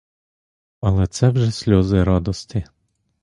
Але це вже сльози радости.